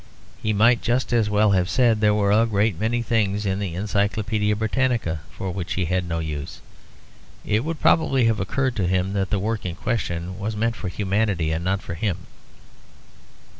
He might just as well have said that there were a great many things in the Encyclopedia Britannica for which he had no use. It would probably have occurred to him that the work in question was meant for humanity and not for him.